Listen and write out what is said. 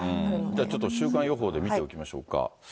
ちょっと週間予報で見ておきましょうか。